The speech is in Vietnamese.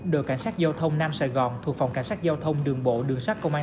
đội cảnh sát giao thông nam sài gòn thuộc phòng cảnh sát giao thông đường bộ đường sát công an